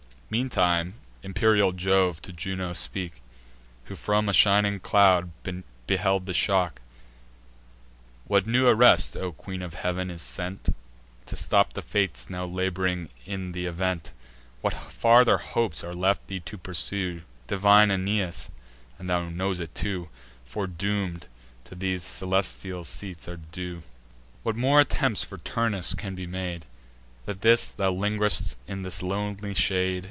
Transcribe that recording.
Meantime imperial Jove to Juno spoke, Who from a shining cloud beheld the shock: "What new arrest, O Queen of Heav'n, is sent To stop the Fates now lab'ring in th' event? What farther hopes are left thee to pursue? Divine Aeneas, (and thou know'st it too,) Foredoom'd, to these celestial seats are due. What more attempts for Turnus can be made, That thus thou ling'rest in this lonely shade?